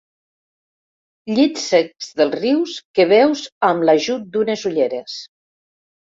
Llits secs dels rius que veus amb l'ajut d'unes ulleres.